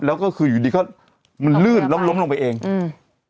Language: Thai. แล้วก็คืออยู่ดีเขามันลื่นแล้วล้มลงไปเองอืม